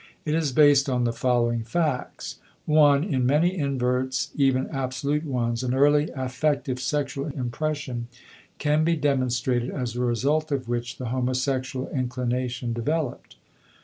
It is based on the following facts. (1) In many inverts (even absolute ones) an early affective sexual impression can be demonstrated, as a result of which the homosexual inclination developed.